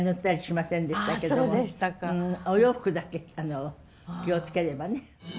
お洋服だけ気を付ければね。